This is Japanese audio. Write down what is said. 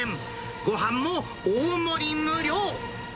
ごはんも大盛り無料。